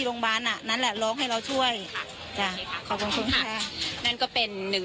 โรงพยาบาลอ่ะนั่นแหละร้องให้เราช่วยค่ะจ้ะขอบคุณค่ะนั่นก็เป็นหนึ่ง